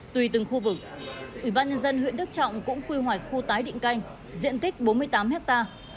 tùy từng khu vực ủy ban nhân dân huyện đức trọng cũng quy hoạch khu tái định canh diện tích bốn mươi tám hectare